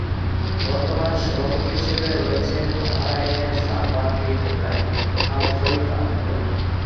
বর্তমান সভাপতি হিসেবে রয়েছেন বাহরাইনের সালমান বিন ইব্রাহিম আল-খলিফা।